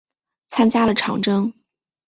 参加了长征。